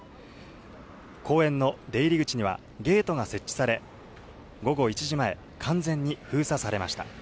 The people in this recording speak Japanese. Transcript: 公園の出入り口にはゲートが設置され、午後１時前、完全に封鎖されました。